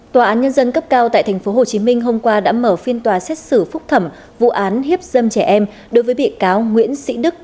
tòa án nhân dân cấp cao tại tp hcm hôm qua đã mở phiên tòa xét xử phúc thẩm vụ án hiếp dâm trẻ em đối với bị cáo nguyễn sĩ đức